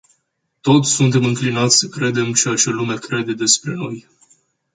Toți suntem înclinați să credem ceea ce lumea crede despre noi.